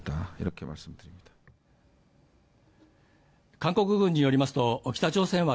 韓国軍によりますと北朝鮮は